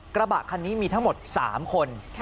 กระบะคันนี้มีทั้งหมด๓คน